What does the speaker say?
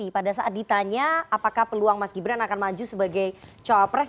pada saat ditanya apakah peluang mas gibran akan maju sebagai cawapres